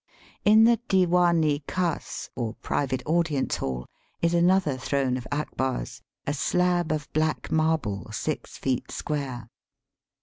In the Diwan i khas, or private audience hall, is another throne of Abkar's, a slab of black marble six feet square.